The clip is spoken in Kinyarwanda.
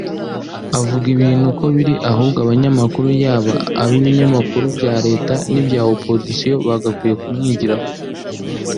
Avuga ibintu uko biri ahubwo abanyamakuru yaba ab’ibinyamakuru bya leta n’ibya opposition bagakwiye kumwigiraho